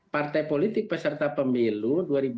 partai politik peserta pemilu dua ribu dua puluh